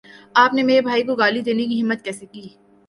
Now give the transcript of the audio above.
آپ نے میرے بھائی کو گالی دینے کی ہمت کیسے کی